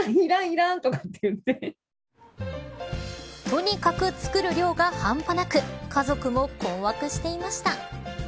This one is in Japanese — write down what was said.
とにかく作る量が半端なく家族も困惑していました。